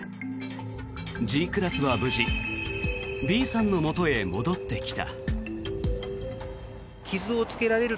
Ｇクラスは無事Ｂさんのもとへ戻ってきた。